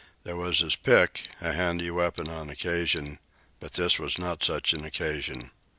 There was his pick, a handy weapon on occasion; but this was not such an occasion.